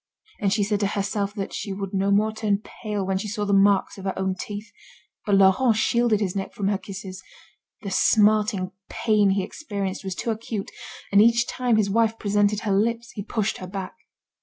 And she said to herself that she would no more turn pale when she saw the marks of her own teeth. But Laurent shielded his neck from her kisses. The smarting pain he experienced was too acute, and each time his wife presented her lips, he pushed her back.